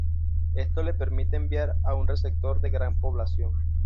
Esto le permite enviar a un receptor de gran población.